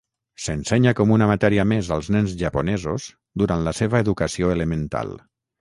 S'ensenya com una matèria més als nens japonesos durant la seva educació elemental.